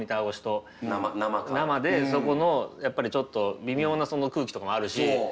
生でそこのやっぱりちょっと微妙な空気とかもあるし